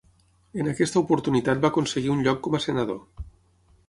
En aquesta oportunitat va aconseguir un lloc com a senador.